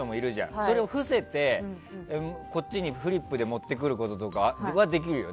それを伏せて、フリップで持ってくることはできるよね。